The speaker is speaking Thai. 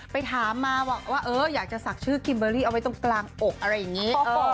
ไปถามมาว่าเอออยากจะศักดิ์ชื่อกิมเบอรี่เอาไว้ตรงกลางอกอะไรอย่างนี้